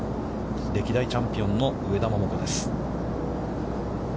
歴代チャンピオンの上田桃子です。